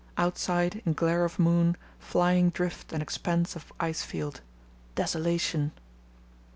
Outside, in glare of moon, flying drift and expanse of ice field. Desolation!